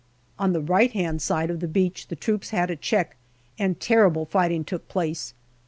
On the right hand side of the beach the troops had a check, and terrible fighting took place.